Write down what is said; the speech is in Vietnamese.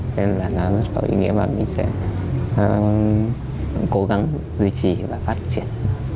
cho nên là nó rất có ý nghĩa và mình sẽ cố gắng duy trì và phát triển